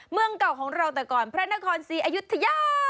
เมืองเก่าของเราแต่ก่อนพระนครศรีอยุธยา